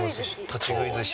立ち食い寿司。